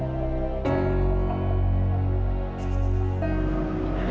aku nyuruh bibi keyakinaragecest tuh